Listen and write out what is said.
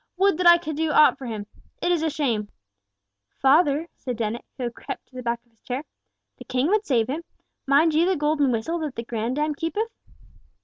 Would that I could do aught for him! It is a shame!" "Father," said Dennet, who had crept to the back of his chair, "the King would save him! Mind you the golden whistle that the grandame keepeth?"